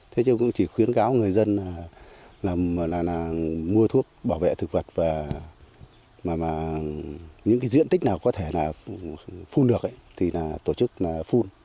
thế chứ cũng chỉ khuyến cáo người dân mua thuốc bảo vệ thực vật và những diện tích nào có thể phun được thì tổ chức phun